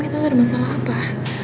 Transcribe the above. tante ada masalah apa